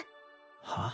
はあ？